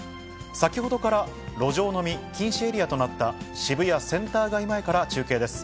先ほどから路上飲み禁止エリアとなった渋谷センター街前から中継です。